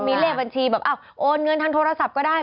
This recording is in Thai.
มีเลขบัญชีแบบอ้าวโอนเงินทางโทรศัพท์ก็ได้